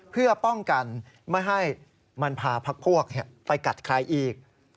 เพื่อป้องกันไม่ให้มันพาพักพวกไปกัดใครอีก